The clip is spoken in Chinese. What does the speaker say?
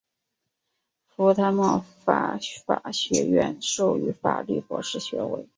福坦莫法学院授予法律博士学位。